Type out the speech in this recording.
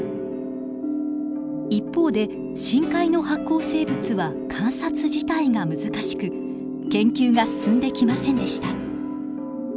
一方で深海の発光生物は観察自体が難しく研究が進んできませんでした。